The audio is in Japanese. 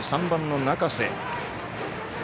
３番の中瀬。